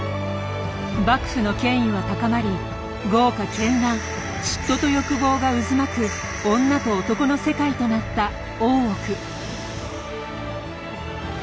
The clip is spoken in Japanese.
幕府の権威は高まり豪華絢爛嫉妬と欲望が渦巻く女と男の世界となった「大奥」。